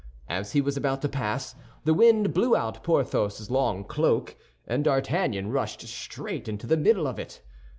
As he was about to pass, the wind blew out Porthos's long cloak, and D'Artagnan rushed straight into the middle of it.